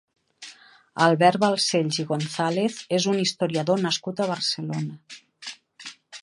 Albert Balcells i González és un historiador nascut a Barcelona.